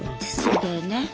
そうだよね。